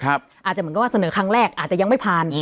อาจจะเหมือนกับว่าเสนอครั้งแรกอาจจะยังไม่ผ่าน